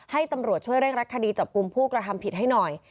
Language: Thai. ให้ตำรวจช่วยเร่งรัดคดีจับกลุ่มผู้กระทำผิดให้หน่อย